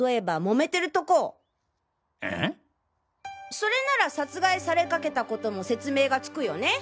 それなら殺害されかけたことも説明がつくよね。